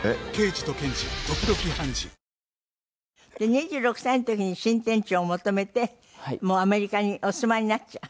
２６歳の時に新天地を求めてもうアメリカにお住まいになっちゃう。